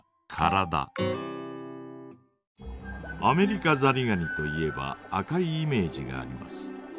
アメリカザリガニといえば赤いイメージがあります。